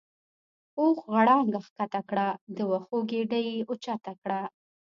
اوښ غړانګه کښته کړه د وښو ګیډۍ یې اوچته کړه.